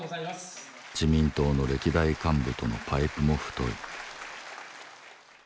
自民党の歴代幹部とのパイプも太い。